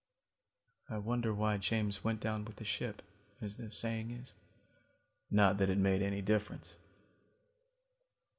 "I wonder why James went down with the ship, as the saying is? Not that it made any difference.